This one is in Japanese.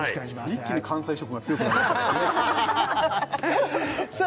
一気に関西色が強くなりましたからねさあ